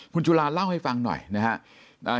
คุณจุลาเล่าให้ฟังหน่อยนะครับ